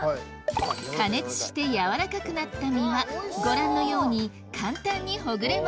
加熱して軟らかくなった実はご覧のように簡単にほぐれます